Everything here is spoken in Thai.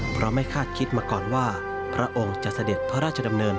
เพราะไม่คาดคิดมาก่อนว่าพระองค์จะเสด็จพระราชดำเนิน